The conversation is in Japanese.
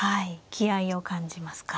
気合いを感じますか。